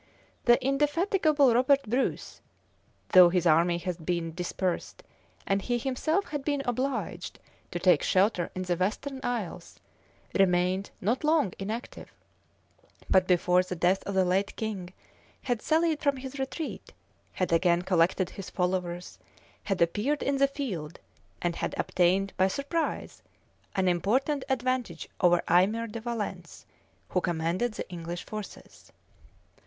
The indefatigable Robert Bruce, though his army had been dispersed, and he himself had been obliged to take shelter in the Western Isles, remained not long inactive; but before the death of the late king, had sallied from his retreat, had again collected his followers, had appeared in the field, and had obtained by surprise an important advantage over Aymer de Valence, who commanded the English forces.